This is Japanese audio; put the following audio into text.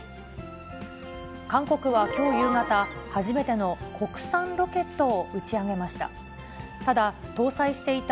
韓国はきょう夕方、初めての国産ロケットを打ち上げました。